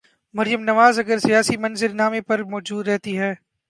مریم نواز اگر سیاسی منظر نامے پر موجود رہتی ہیں۔